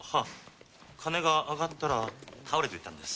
鐘が上がったら倒れていたんです。